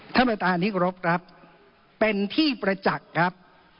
ท่านประธานที่กรบครับเป็นที่ประจักษ์ครับ